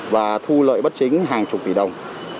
và thu lợi bất chính hàng chục tỷ đồng